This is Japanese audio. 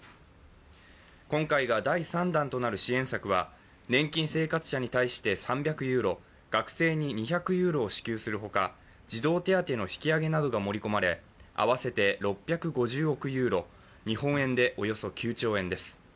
今回が第３弾となる支援策は年金生活者に対して３００ユーロ、学生に２００ユーロを支給するほか、児童手当の引き上げなどが盛り込まれ合わせて６５０億ユーロ日本円でおよそ９兆円です。